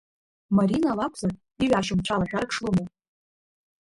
Марина лакәзар, иҩашьом цәалашәарак шлымоу.